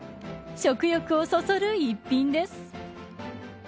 食欲をそそる一品です。